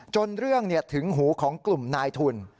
เรื่องถึงหูของกลุ่มนายทุน